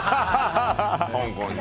香港に。